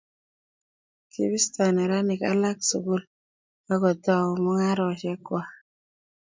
kibisto neranik alak sukul akutou mung'aresiek kwach